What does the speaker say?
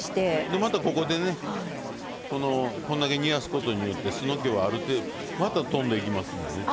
でまたここでねこんだけ煮やすことによって酢のけはある程度またとんでいきますんでね。